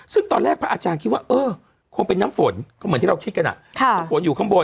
ซึ่งตอนแรกพระอาจารย์คิดว่าเออคงเป็นน้ำฝนก็เหมือนที่เราคิดกันน้ำฝนอยู่ข้างบน